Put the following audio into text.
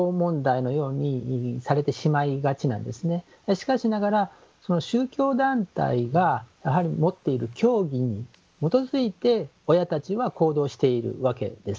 しかしながらその宗教団体がやはり持っている教義に基づいて親たちは行動しているわけです。